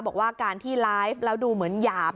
บอกว่าการที่ไลฟ์แล้วดูเหมือนหยาบ